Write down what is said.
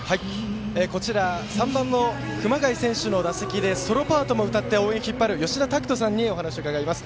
こちら３番の熊谷選手の打席でソロパートも歌って応援を引っ張るよしだたくとさんにお話を伺います。